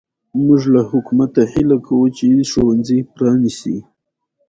ازادي راډیو د د مخابراتو پرمختګ په اړه د مینه والو لیکونه لوستي.